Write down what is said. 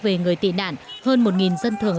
về người tị nạn hơn một dân thường